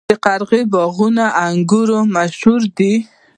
د قره باغ انګور مشهور دي